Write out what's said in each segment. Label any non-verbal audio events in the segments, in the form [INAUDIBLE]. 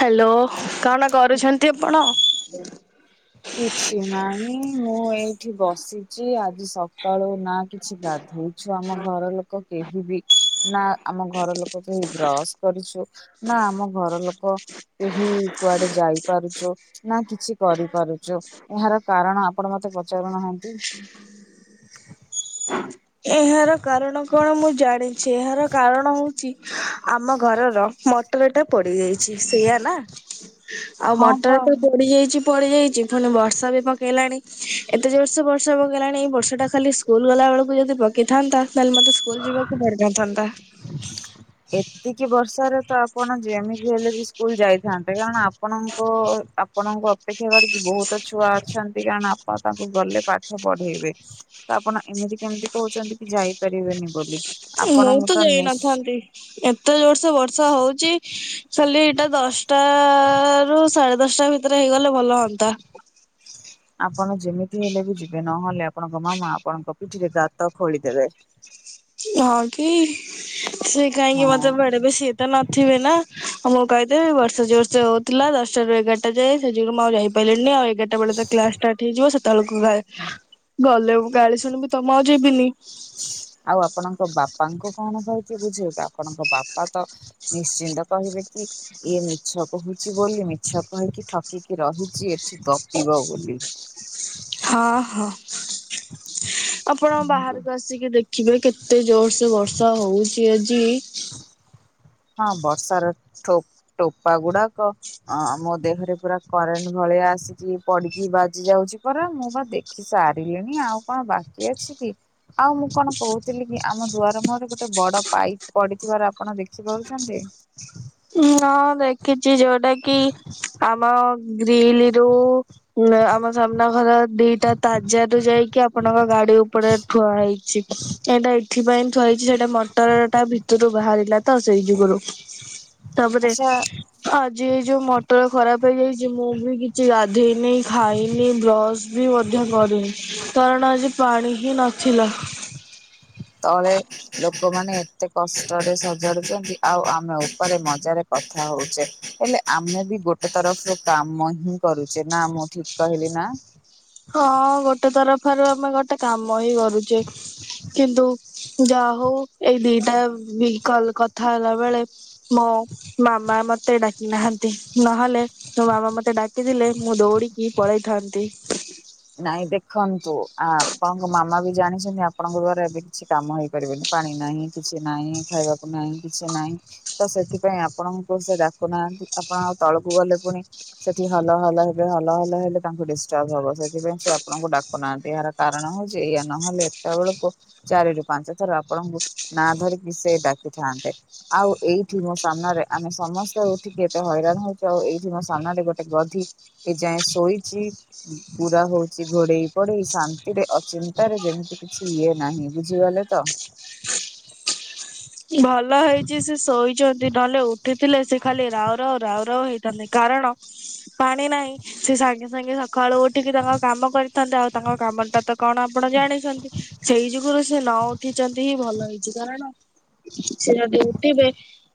Hello କଣ କରୁଛନ୍ତି ଆପଣ? କିଛି ନାହିଁ ମୁଁ ଏଇଠି ବସିଚି ଆଜି ସକାଳୁ ନା କିଛି ଗଧୋଇଛୁ ଆମ ଘର ଲୋକ କେହି ବି ନା ଆମ ଘର ଲୋକ କେହି ବ୍ରଶ କରିଛୁ ନା ଆମ ଘର ଲୋକ କେହି କୁଆଡେ ଯାଇପାରୁଚୁ ନା କିଛି କରିପାରୁ ଏହାର କାରଣ ଆପଣ ମତେ ପଚାରୁନାହାନ୍ତି? ଏହାର କାରଣ କଣ ମୁଁ ଜାଣିଛି ଏହାର କାରଣ ହଉଛି ଆମ ଘରର ମଟର ଟା ପୋଡି ଯାଇଚି ସେଇଆା ନା ଆଉ ହଁ ମଟର ପା ଟା ପୋଡି ଯାଇଛି ପଳେଇ ଯାଇଛି ପୁଣି ବର୍ଷା ବି ପକେଇଲାଣି ଏତେ ଜୋର ସେ ବର୍ଷା ପକେଇଲାଣି ବର୍ଷା ଟା ଖାଲି ସ୍କୁଲ ଗଲା ବେଳକୁ ଯଦି ପକେଇଥାନ୍ତା ତାହେଲେ ମତେ ସ୍କୁଲ ଯିବାକୁ ପଡିିନଥାନ୍ତା। ଏତିକି ବର୍ଷାରେ ତ ଆପଣ ଯେମିତି ହେଲେ ବି ସ୍କୁଲ ଯାଇଥାନ୍ତେ କାରଣ ଆପଣଙ୍କ ଆପଣଙ୍କୁ ଅପେକ୍ଷା କରିକି ବହୁତ ଛୁଆ ଅଛନ୍ତି କାରଣ ଆପଣ ତାଙ୍କୁ ଗଲେ ପାଠ ପଢେଇବେ। ତ ଆପଣ ଏମିତି କେମିତି କହୁଛନ୍ତି କି ଯାଇପାରିବେନି ବୋଲି? ମୁଁ ଆପଣଙ୍କୁ ତ ନିଶ୍ ଯାଇନଥାନ୍ତି ଏତେ ଜୋର ସେ ବର୍ଷା ହଉଚି ଖାଲି ଏଇଟା ଦଶଟା ରୁ ସାଢେ ଦଶଟା ଭିତରେ ହେଇଗଲେ ଭଲ ହୁଅନ୍ତା। ଆପଣ ଯେମିତି ହେଲେ ବି ଯିବେ ନହେଲେ ଆପଣଙ୍କ ମାମା ଆପଣଙ୍କ ପିଠିରେ ଗାତ ଖୋଳିଦେବେ। ହଁ କି ସେ କାହିଁକି ହଁ। ମତେ ବେଡେ ବ ସିଏ ତ ନଥିବେ ନା ହଁ ମୁଁ କହିଦେବି ବର୍ଷେ ହଉଥିଲା ଦଶଟାରୁ ଏଗାରଟା ଯାଏ ସେ ଯୁଗୁ ମୁଁ ଆଉ ଯାଇପାରିଲିନି ଆଉ ଗାର୍ଟା ବେଳେ ତ କ୍ଲାସ ଷ୍ଟାର୍ଟ ହେଇଯିବ ସେତେବେଳକୁ ଗାଏ ଗଲେ ଗାଳି ଶୁଣିବି ତମ ଆଉ ଯିବିନି। ଆଉ ଆପଣଙ୍କ ବାପା ତାଙ୍କୁ କଣ କହିକି ବୁଝେଇବେ ଆପଣଙ୍କ ବାପା ତ ନିଶ୍ଚିନ୍ତ କହିବେ କି ଇଏ ମିଛ କହୁଛି ବୋଲି ମିଛ କହିକି ଠକିକି ରହିଛି ଏଠି ଗପିବ ବୋଲି। ହଁ ହଁ ଆପଣ ହଁ ବାହାରକୁ ଆସିକି ଦେଖ ଦେଖିବେ କେତେ ଜୋରସ ବର୍ଷା ହଉଛି ଆଜି ହଁ ବର୍ଷାର ଠୁପ୍ ଟୋପା ଗୁଡାକ ଆଁ ମୋ ଦେହରେ ପୁରା କରେଣ୍ଟ ଭ ପ ଆସିଚି ପଡିଚି ବାଜି ଯାଉଛି ପରା ମୁଁ ବା ଦେଖି ସାରିଲିଣି ଆଉ କଣ ବାକି ଅଛି କି? ଆଉ ମୁଁ କଣ କହୁଥିଲି କି ଆମ ଦୁଆର ମୁହଁରେ ଗୋଟେ ବଡ ପାଇପ୍ ପଡିଥିବାର ଆପଣ ଦେଖ ବୁଝିପାରୁଛନ୍ତି? ଉନା ଦେଖିଛି ଯୋଉଟା କି ଆମ ଗ୍ରୀିଲ ରୁ ମଏ ଆମ ସାମ୍ନା ଘର ଦିଟା ତାଜା ରୁ ଯାଇକି ଆପଣଙ୍କ ଗାଡି ଉପରେ ଠୁଆ ହେଇଛି। ଏଇଟା ଏଠି ପାଇଁ ଥୁଆହୋଇଛି ସେଇଟା ମଟର ଟା ଭିତରୁ ବାହାରିଲା ତ ସେଇ ଯୁଗୁରୁ। ତାପରେ ଆଚ୍ଛା ଆଜି ଯୋଉ ମଟର ଖରାପ ହେଇଯାଇଛି ମୁଁ ବି କିଛି ଗାଧେଇନି, ଖାଇନି, ବ୍ରସ ବି ମଧ୍ୟ କ କରିନି କାରଣ ଆଜି ପାଣି ହିଁ ନଥିଲା। ତଳେ ଲୋକମାନେ ଏତେ କଷ୍ଟରେ ସଜାଡୁଛନ୍ତି ଆଉ ଆମେ ଉପରେ ମଜାରେ କଥା ହଉଛେ ହେଲେ ଆମେ ବି ଗୋଟେ ତରଫରୁ କାମ ହିଁ କରୁଛେ ନା ମୁଁ ଠିକ କହିଲି ନା? ହଁ ଗୋଟେ ତରଫରୁ ଆମେ ଗୋଟେ କାମ ହିଁ କରୁଛେ। କିନ୍ତୁ ଯାହା ହଉ ଏଇ ଦିଟା ଭିକଲ୍ କଥା ହେଲା ବେଳେ ମୋ ମାମା ମତେ ଡାକି ନାହାନ୍ତି ନହେଲେ ତୋ ବାବା ମତେ ଡାକିଦିଲେ ମୁଁ ଦୌଡିକି ପଳେଇଥାନ୍ତି। ନାଇଁ ଦେଖନ୍ ତୁ ଆ ପଣଙ୍କ ମାମା ବି ଜାଣିଛନ୍ତି ଆପଣଙ୍କ ଦ୍ଵାରା ଏବେ କିଛି କାମ ହେଇପାରିବେନି ପାଣି ନାହିଁ କିଛି ନାହିଁ। ଇ ଖାଇବାକୁ ନାଇଁ କିଛି ନାଇଁ ତ ସେଥିପାଇଁ ଆପଣଙ୍କୁ ସେ ଡାକୁନାହାନ୍ତି ଆପଣ ତଳକୁ ଗ ଅଲେ ପୁଣି ସେଠି ହଲ ହଲ ହେବେ ହଲ ହଲ ହେଲେ ତାଙ୍କୁ ଡିଷ୍ଟର୍ବ ହବ ସେ ଥିପାଇ ସେ ଆପଣଙ୍କୁ ଡାକୁ ନାହାନ୍ତି ଏହାର କାରଣ ହଉଛି ଇୟ ନହେଲେ ଏତେ ବଳକୁ ଚାରି ରୁ ପାଞ୍ଚ ଥର ଆପ ଆଣଙ୍କୁ ନା ଧରିକି ସେ ଡାକିଥାନ୍ତେ ଆଉ ଏଇଠି ମୋ ସାମ୍ନାରେ ଆମେ ସମସ୍ତେ ଉଠି କେତେ ହଇରାଣ ହଉଛି ଆଉ ଏଇଠି ମୋ ସାମ୍ନାରେ ଗୋଟେ ଗଧି ଏ ଯାଏଁ ଶୋଇଛି। ପୁରା ହଉଛି ଘୋଡେଇ ପୋଡେଇ ଶାନ୍ତିରେ ଅଚିନ୍ତାରେ ଯେମିତି କିଛି ଇଏ ନାହିଁ ବୁଝିଗଲେ ତ? [INAUDIBLE] ଭଲ ହେଇଛି ସେ ଶୋଇଛନ୍ତି ନହେଲେ ଉଠିଥିଲେ ସେ ଖାଲି ରାଉ ରାଉ ରାଉ ରାଉ ହେଇଥାନ୍ତେ କା କାରଣ ପାଣି ନାହିଁ ସେ ସାଙ୍ଗେ ସାଙ୍ଗେ ସକାଳୁ ଉଠିକି ତାଙ୍କ କାମ କରିଥାନ୍ତେ ଆଉ ତାଙ୍କ କାମ ତାତ କଣ ଆପଣ ଜାଣିଛନ୍ତି ସେଇ ଯୁଗୁରୁ ସେ ନ ଉଠିଛନ୍ତି ହିଁ ଭଲ ହେଇଛି କାରଣ ସେ ଯଦି ଉଠିବେ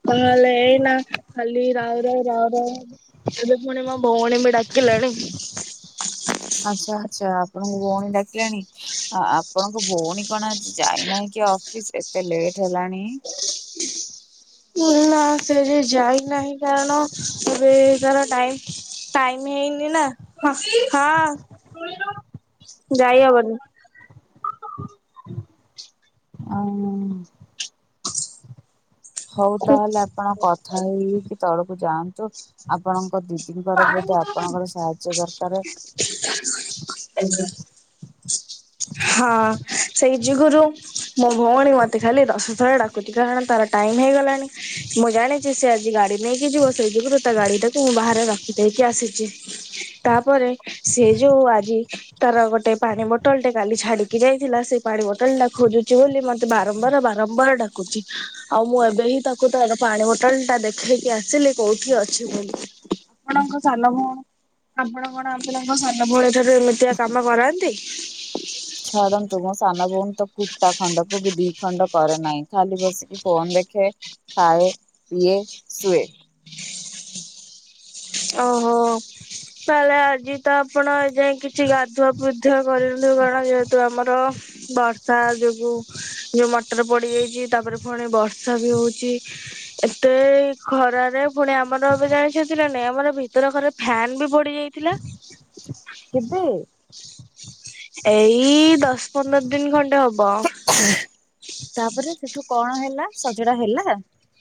ତାହେଲେ ଏଇନା ଖାଲି ରାଉ ରାଉ ରାଉ ରାଉ ଏବେ ପୁଣି ମୋ ଭଉଣୀ ବି ଡାକିଲାଣି। ଆଚ୍ଛା ଆଚ୍ଛା ଆପଣଙ୍କ ଭଉଣୀ ଡାକିଲାଣି ଆ ଆପଣଙ୍କ ଭୋଉଣୀ କଣ ଆଜି ଯାଇନାହିଁ କି ଅଫିସ ଏତେ ଲେଟ୍ ହେଲା ଆଣୀ। ନା ସେ ଯେ ଯାଇନାହିଁ କାରଣ ଏବେ ତାର ଟାଇ ଟାଇମ ହେଇନି ନା ହଁ, ଶୁଣିଲୁ। ଯାଇ ହବନି। ଆଉ। ହଉ ତାହେଲେ ଆପଣ କଥା ହେଇକି ତଳକୁ ଯାଆନ୍ତୁ ଆପଣ ମୋ ଦିଦିଙ୍କର ବୋଧେ ଆପଣଙ୍କର ସାହାଯ୍ୟ ଦରକାର। ଜିଗୁରୁ ମୋ ଭଉଣୀ ମତେ ଖାଲି ଦଶଥର ଡାକୁଟି କାରଣ ହେଇଗଲାଣି ମୁ ଜା ଜାଣି ସେ ଆଜି ଗାଡି ନେଇକି ଯିବ ସେଇ ଯୁଗୁରୁ ତା ଗାଡି ଟାକୁ ମୁଁ ବାହାରେ ରଖିଦେଇକି ଆସିଛି। ତା ପରେ ସେ ଯୋଉ ଆଜି ତାର ଗୋଟେ ପାଣି ବୋଟଲ ଟେ କାଲି ଛାଡିକି ଯାଇଥିଲା ସେଇ ପାଣି ବୋଟଲ ଟା ଖୋଜୁଛି ବୋଲି ମତେ ବାରମ୍ବାର ବାରମ୍ବାର ଡାକୁଛି। ଆଉ ମୁଁ ଏବେ ହିଁ ତାକୁ ତାର ପାଣି ବୋଟଲ ଟା ଦେଖେଇକି ଆସିଲି କୋଉଠି ଅଛି ବୋଲି। ଆପଣଙ୍କ ସାନ ଭଉଣୀ ଆପଣ କଣ ଆପଣଙ୍କ ସାନ ଭଳି ଠାରୁ ଏମିତିଆ କାମ କରାନ୍ତି? ଛାଡନ୍ତୁ ମୋ ସାନ ଭଉଣୀ କୁଟା ଖଣ୍ଡ କୁପି ଦିି ଖଣ୍ଡ କରେ ନାହିଁ ଖାଲି ବସିକି ଫୋନ ଦେଖେ, ଖାଏ, ପିଏ, ସୁଏ। ଓହୋ ତାହେଲେ ଆଜି ତ ଆପଣ ଯାଇଁ କିଛି ଗାଧୁଆ ପାଧୁଆ କରିବି ବଡ ଯେହେତୁ ଆମର। ବର୍ଷା ଯୋଗୁଁ ଯୋଉ ମଟର ପୋଡିଯାଇଛି ତାପରେ ପୁଣି ବର୍ଷ ସବୁ ହଉଛି ଏତେ ଖରାରେ ପୁଣି ଆମର ଏବେ ଜାଣିଛନ୍ତି ନା ନାଇଁ ଆ ଆମର ଭିତର ଘରେ ଫ୍ୟାନ୍ ବି ପୋ କେବେ? ଏଇ ଦଶ ପନ୍ଦର ଦିନ ଖଣ୍ଡେ ହବ। ତାପରେ ସେଠୁ କଣ ହେଲା ସଜଡା ହେଲା?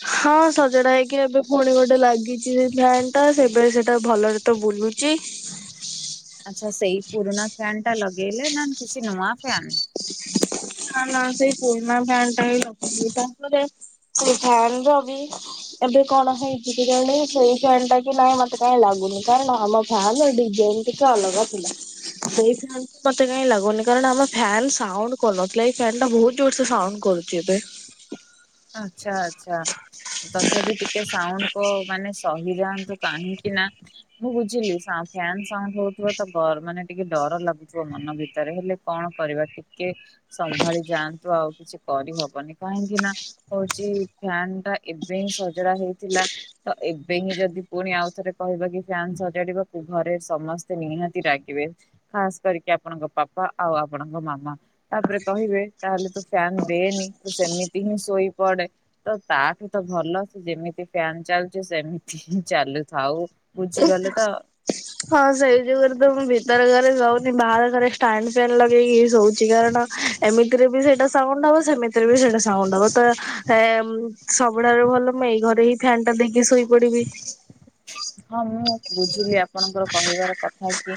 ହଁ ସଜଡା ହେଇକି ଏବେ ପୁଣି ଗୋଟେ ଲାଗିଛି ସେ ଫ୍ୟାନ୍ ଟା ସେବେ ସେଇଟା ଭଲରେ ତ ବୁଲୁଛି। ଇ। ଆଁଛା ସେଇ ପୁରୁଣା ଫ୍ୟାନ୍ ଟା ଲଗେଇଲେ ନା କିଛି ନୂଆ ଫ୍ୟାନ୍? ନାଁ ନାଁ ସେଇ ପୁରୁଣା ଫ୍ୟାନ୍ ଟା ହିଁ ଲଗାହେଇଛି‌ ତାପରେ ସେଇ ଫ୍ୟାନ୍ ର ବି ଏବେ କଣ ହେଇଛି କେଜାଣି ସେଇ ଫ୍ୟାନ୍ ଟା ବି ନାଇଁ ମତେ କାଇଁ ଲାଗୁ ନି କାରଣ ଆମ ଫ୍ୟାନ୍ ର ଡିଜାଇନ୍ ଟିକେ ଅଲଗା ଥିଲା। ସେଇଥିପାଇଁକି ମତେ କାଇଁ ଲାଗୁନି କାରଣ ଆମ ଫ୍ୟାନ୍ ସାଉଁଣ୍ଡ କଲମ୍। ଏଇ ଫ୍ୟାନ୍ ଟା ବହୁତ ଜୋର୍ ସେ ସାଉଁଣ୍ଡ କରୁଛି ଏବେ। ଆଚ୍ଛା ଆଚ୍ଛା ତ ମାନେ ସହିଯାଆନ୍ତୁ କାହିଁକି ନାଁ ମୁଁ ବୁଝିଲି ସା ଫ୍ୟାନ୍ ସାଉଁଣ୍ଡ ହଉଥିବା ତ ବ ଡ଼ ମାନେ ଟିକେ ଡର ଲାଗୁଥିବ ମନ ଭିତରେ ହେଲେ କଣ କରିବା ଟି କେ ସମ୍ଭାଳି ଯାଆନ୍ତୁ ଆଉ କିଛି କରିହବନି କାହିଁକି ନାଁ ହଉଛି ଫ୍ୟାନ୍ ଟା ଏବେ ହିଁ ସଜଡା ହେଇଥିଲା ତ ଏବେ ହିଁ ଯଦି ପୁଣି ଆଉ ଥରେ କହିବେ କି ଫ୍ୟାନ୍ ସଜାଡିବାକୁ ଘରେ ସମସ୍ତେ ନିହାତି ରାଗିବେ ଖାସ୍ କରିକି ଆପଣଙ୍କ ପାପା। ତ ଆଉ ଆପଣଙ୍କ ମାମା ତାପରେ କହିବେ ତାହେଲେ ତୁ ଫ୍ୟାନ୍ ଦେନି ତୁ ସେମିତି ହିଁ ଶୋଇ ପଡେ ତ ତାଠୁ ତ ଭଲ ସେ ଯେମିତି ଫ୍ୟାନ୍ ଚାଲୁଛି ସେମିତି ହିଁ ଚାଲୁଥାଉ ବୁଝିଗଲେ ତ। ହଁ ସେଇ ଜୋଗୁରୁ ତ ମୁଁ ଭିତର ଘରେ ଶୋଉନି ବାହାର ଘରେ ଷ୍ଟାଣ୍ଡ୍ ଫ୍ୟାନ୍ ଲଗେଇକି ହିଁ ଶୋଉ ହୁଛି କାରଣ ଏମିତିରେ ବି ସେଇଟା ସ ସାବୁନ୍ ଟା ଦବ ସେମିତିରେ ବି ସେଇଟା ସାଉଁଣ୍ଡ ହବ ତ ଏ ଉଁ ସବୁଠାରୁ ଭଲ ମୁଁ ଏଇ ଘରେ ହିଁ ଫ୍ୟାନ୍ ଟା ବେଗେ ଶୋଇପଡିବି। ହଁ ମୁଁ ବୁଝିଲି ଆପଣଙ୍କର କହିବାର କଥା କି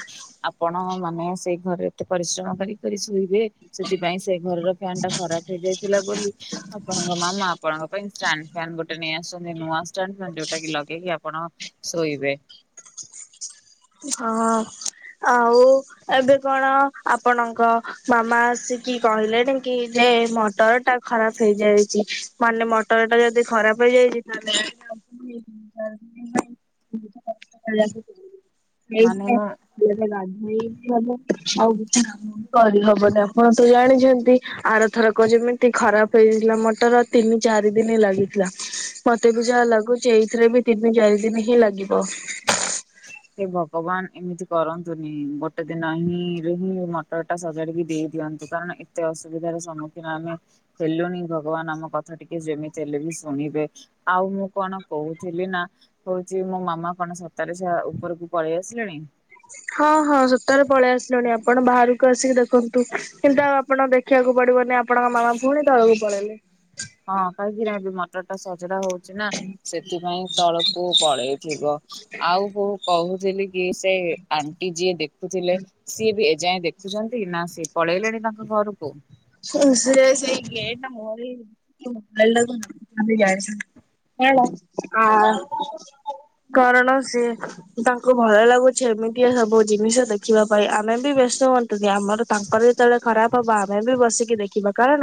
ଆପଣ ମାନେ ସେଇ ଘରେ ଏତେ ପରିଶ୍ରମ କରି କରି ଶୋଇବେ ସେଥିପାଇଁ ସେ ଘରର ଫ୍ୟାନ୍ ଟା ଖରାପ ହେଇଯାଇଥିଲା ବୋଲି ଆପଣଙ୍କ ମାମା ଆପଣଙ୍କ ପାଇଁ ଷ୍ଟାଣ୍ଡ୍ ଫ୍ୟାନ୍ ଗୋଟେ ନେଇ ଆସୁଛନ୍ତି ନୂଆ ଷ୍ଟାଣ୍ଡ୍ ଫ୍ୟାନ୍ ଯୋଉଟା କି ଲଗେଇକି ଆପଣ ଶୋଇବେ। ହଁ ଆଉ ଏବେ କଣ ଆପଣଙ୍କ ମାମା ଆସିକି କ କହିଲେଣି କି ଯେ ମଟର ଟା ଖରାପ୍ ହେଇଯାଇଛି। ମାନେ ମଟର ଟା ଯଦି ଖରାପ ହେଇଯାଇଛି ତାହେଲେ ହେଲେ ହଉ। [UNINTELLIGIBLE] ଏଇଠୁ ମୁଁ ଗାଧେଇକି ମାନେ ଆଉ କିଛି କାମ କରି ହବନା? ସମସ୍ତେ ତ ଜାଣିଛନ୍ତି ଆରଥରକ ଯେମିତି ଖରାପ ହେଇଥିଲା ମ ଟର ତିନି ଚାରି ଦିନି ଲାଗିଥିଲା। ମତେ ବି ଯାହା ଲାଗୁଛି ଏଇଥିରେ ବି ତିନି ଚାରି ଦିନି ହିଁ ଲାଗିବ। ହେ ଭଗବାନ୍ ଏମିତି କରନ୍ତୁନି ଗୋଟେ ଦିନ ହିଁ ରେ ହିଁ ମଟର ଟା ସଜାଡିକି ଦେଇ ଦିଅ ନ୍ତୁ କାରଣ ଏତେ ଅସୁବିଧାର ସମ୍ମୁଖୀନ ଆମେ ହେଲୁଣିି ଭଗବାନ୍ ଆମ କଥା ଟିକେ ଯେମିତି ହେଲେ ବି ଶୁ ଶୁଣିବେ ଆଉ ମୁଁ କଣ କହୁଥିଲି ନାଁ ହଉଛି ମୋ ମାମା କଣ ସ ତାହେଲେ ସେ ଉପରକୁ ପଳେଇ ଆସିଲେଣି। ହଁ ହଁ ସତରେ ପଳେଇ ଆସିଲେଣି ଆପଣ ବାହାରକୁ ଆସିକି ଦେଖନ୍ତୁ କିନ୍ତୁ ଆଉ ଆପଣ ଦେଖିବାକୁ ପଡିବନି ଆ ଆପଣଙ୍କ ମାମା ପୁଣି ତଳକୁ ପଳେଇଲେ। ହଁ କାହିଁକିନା ଏ ଯୋଉ ମଟରଟା ସଜଡା ହଉଛି ନା ସେଥିପାଇଁ ତଳକୁ ପଳେଇଥିବ। ଆଉ କୋଉ କହୁ ଥିଲି କି ସେ ଆଣ୍ଟି ଯିଏ ଦେଖୁଥିଲେ ସିଏ ବି ଏଯାଏଁ ଦେଖୁଛନ୍ତି ନା ସେ ସେ ପଳେଇଲେଣି ତାଙ୍କ ଘରୁକୁ? ସେଇ ଗେଟ ନ ମୋରି ଏ ମୋବାଇଲ୍ ଟା ଧରି ଯାଏ ହଅ। କାରଣ ସିଏ ତାଙ୍କୁ ଭଲ ଲାଗୁଛି ଏମିତିଆ ସବୁ ଜିନିଷ ଦେଖିବା ପାଇଁ ଆମେ ବ୍ୟସ୍ତ ହୁଅୁ କି ଆମର ତାଙ୍କର ଯେତେବେଳେ ଖରାପ ହବ ଆମେ ବି ବସିକି ଦେଖିବା କାରଣ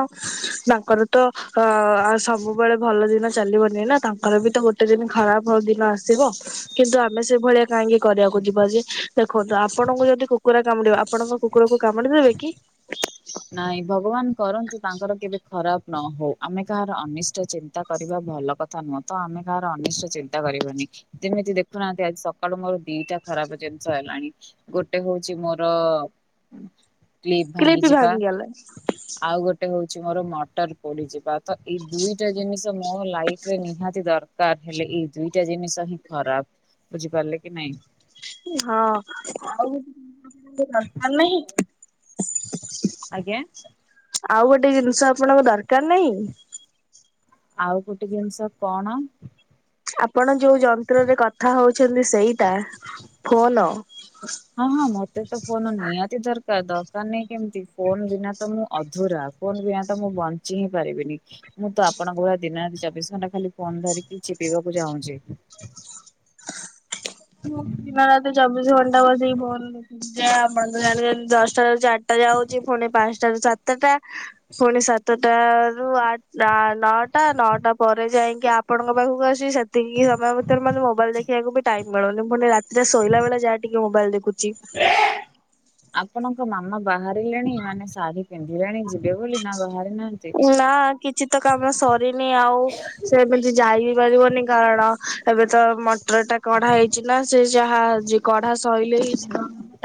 ତାଙ୍କର ତ ଅ ସବୁବେଳେ ଭଲ ଦିନ ଚାଲିବନି ନା ତାଙ୍କର ବି ତ ବ ଗୋତେ ଦିନ ଖରାପ ଦିନ ଆସିବ କିନ୍ତୁ ଆମେ ସେଇଭଳିଆ କାହିଁକି କରିବାକୁ ଯିବା ଯେ ଦେଖନ୍ତୁ। ଆପଣଙ୍କୁ ଯଦି କୁକୁଡ଼ା କାମୁଡିବ ଆପଣଙ୍କ କୁକୁରକୁ କାମୁଡି ଦେବେ କି ନାଇଁ ଭଗବାନ କରନ୍ତୁ ତାଙ୍କର କେବେ ଖରାପ ନ ହଉ ଆମେ କାହାର ଅନିଷ୍ଟ ଚିନ୍ତା କରିବା ଭଲ କଥା ନୁହଁ ତ ଆମେ କାହାର ଅନିଷ୍ଟ ଚିନ୍ତା କରିବନି। ଯେମିତି ଦେଖୁନାହାନ୍ତି ଆଜି ସକାଳୁ ମୋର ଦିଟା ଖରାପ ଜିନିଷ ହେଲାଣି ଗୋଟେ ହଉଛି ମୋର। ଭାଙ୍ଗି ଯିବ ଗଲେ। ମୋର ମଟର ପୋଡିଯିବା ତ ଏଇ ଦୁଇଟା ଜିନିଷ ମୋ ଲାଇରେ ନିହାତି ଦର। କ ହେଲେ ଏଇ ଦୁଇଟା ଜିନିଷ ହିଁ ଖରାପ ବୁଝିପାରିଲେ କି ନାଇଁ ହଁ ଆଉ ଦରକାର ନାହିଁ। ଆଜ୍ଞା। ଆଉ ଗୋଟେ ଜିନିଷ ଆପଣଙ୍କ ଦରକାର ନାହିଁ। ଆଉ ଗୋଟେ ଜିନିଷ କଣ ଆପଣ ଯୋଉ ଯନ୍ତ୍ରରେ କଥା ହଉଛନ୍ତି ସେଇଟା ଫୋନ ହଁ ହଁ ମୋତେ ତ ଫୋନ ନିହାତି ଦର ଦରକାର ନାଇଁ କେମିତି ଫୋନ ବିନା ତ ମୁଁ ଅଧୁରା ଫୋନ ବିନା ତ ମୁଁ ବଞ୍ଚି ହିଁ ପାରିବିନି। ମୁଁ ତ ଆପଣଙ୍କ ଭ ଦିନତି ଚବିଶ ଘଣ୍ଟା ଖାଲି ଫୋନ ଧରିକି ଚିପିବାକୁ ଚାହୁଁଛି। ମୁଁ ଦିନ ରାତି ଚବିଶ ଘଣ୍ଟା ବସେଇକିନ ଆପଣ ଜଣ ଦଶଟାାରୁ ଚାରିଟା। ଯାଉ ପୁଣି ପାଞ୍ଚଟା ର ସାତଟା ପୁଣି ସାତଟ ରୁଠ ନଅଟା। ନଅଟା ପରେ ଯାଇକି ଆପଣଙ୍କ ପାଖକୁ ଆସିବି ସେ ସେତିକି ସମୟ ଭିତରେ ମାନେ ମୋବାଇଲ ଦେଖିବାକୁ ବି ଟାଇମ ମିଳନି ପଣି। ସେ ଶୋଇଲା ବେଳେ ଯାହା ଟିକେ ମୋବାଇଲ ଦେଖୁଛି। ଆପଣଙ୍କ ମାମା ବାହାରିଲେଣି ମାନେ ଶାଢୀ ପିନ୍ଧିଲେଣି ଯ ନା କିଛି ତ କାମ ସରିନି ଆଉ ସେମିତି ଯାଇବି। ପାରିବନି କାରଣ ଏବେ ତ ମ ପଟ୍ର ଟା କଢା ହେଇଛି ନା ସେ ଯାହା କଢା ସୋଇଲେ ହେଇ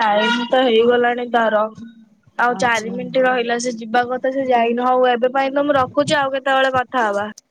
ଟାଇମ ତ ହେଇଗଲାଣି। ର ଆଉ ଚାରି ଆଚ୍ଛା ମିନିଟ ରହିଲା ସେ ଯିବା କଥା ସେ ଯାଇନି ହଉ ଏବେ ପାଇଁ ତ ମୁଁ ରଖୁଛି ଆଉ କେତେବେଳେ କଥା ହବା